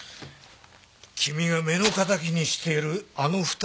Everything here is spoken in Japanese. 君が目の敵にしているあの２人のお手柄か。